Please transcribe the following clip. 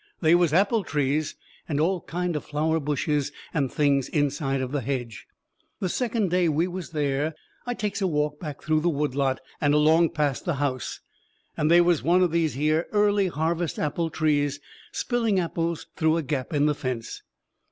They was apple trees and all kind of flower bushes and things inside of the hedge. The second day we was there I takes a walk back through the wood lot, and along past the house, and they was one of these here early harvest apple trees spilling apples through a gap in the fence.